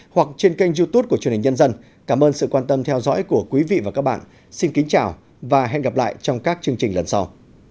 hẹn gặp lại các bạn trong các chương trình lần sau